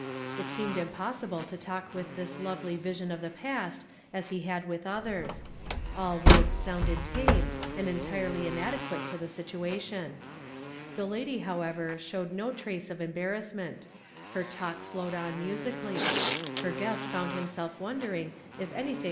It seemed impossible to talk with this lovely vision of the pasi as lie hid with others. All words sounded tame, an I mmydy inadocjaate ♦' HKAIl YE INDEED, BUT UNDEU8TAND NOT." 113 to the situa ion. The lady, !i....ever, showed no trace of en.l)arrassni«'nt; her talk flowed on mu sically ; h( r guest found himself wondering if anything